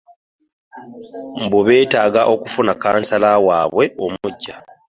Mbu beetaaga okufuna kkansala waabwe omuggya